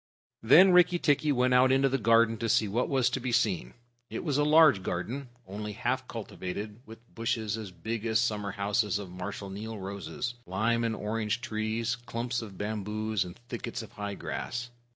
Then Rikki tikki went out into the garden to see what was to be seen. It was a large garden, only half cultivated, with bushes, as big as summer houses, of Marshal Niel roses, lime and orange trees, clumps of bamboos, and thickets of high grass.